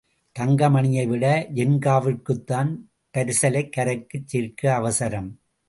தங்கமணியைவிட ஜின்காவிற்குத்தான் பரிசலைக் கரைக்குச் சேர்க்க அவசரம்.